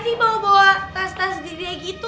kamu mau bawa tas tas gede gitu